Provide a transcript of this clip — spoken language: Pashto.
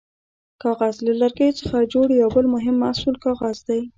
کاغذ: له لرګیو څخه جوړ یو بل مهم محصول کاغذ دی.